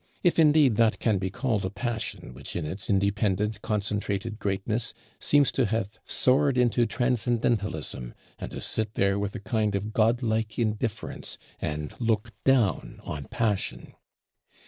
If indeed that can be called a passion, which in its independent concentrated greatness, seems to have soared into transcendentalism; and to sit there with a kind of godlike indifference, and look down on passion!